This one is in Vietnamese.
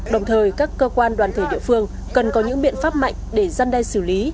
đồng thời các cơ quan đoàn thể địa phương cần có những biện pháp mạnh để gian đe xử lý